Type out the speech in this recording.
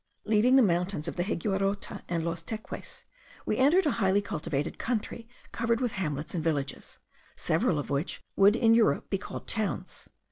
Leaving the mountains of the Higuerote and Los Teques, we entered a highly cultivated country, covered with hamlets and villages; several of which would in Europe be called towns.